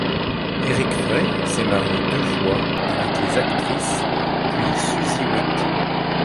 Erik Frey s'est marié deux fois, avec les actrices puis Susi Witt.